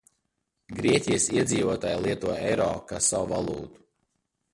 Grieķijas iedzīvotāji lieto eiro kā savu valūtu.